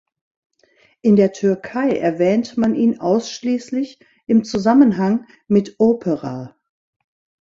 In der Türkei erwähnte man ihn ausschließlich im Zusammenhang mit "Opera".